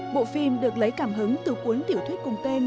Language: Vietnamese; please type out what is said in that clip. bộ phim được lấy cảm hứng từ cuốn tiểu thuyết cùng tên